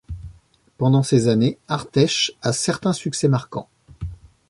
Pendant ces années Arteche a certains succès marquants.